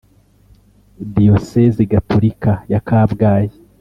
Diyosezi gatolika ya kabgayi